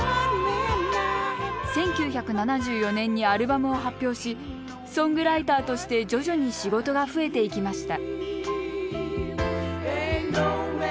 １９７４年にアルバムを発表しソングライターとして徐々に仕事が増えていきました